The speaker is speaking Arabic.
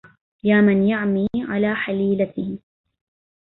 يا من يعمي على حليلته